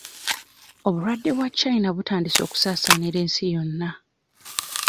Obulwadde bw'e China butandise okusaasaanira ensi yonna.